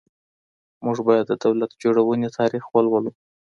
موږ باید د دولت جوړونې تاریخ ولولو.